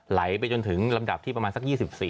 ไหลไปจนถึงลำดับที่ประมาณสัก๒๔